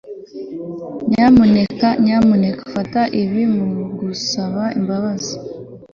nyamuneka nyamuneka fata ibi nkugusaba imbabazi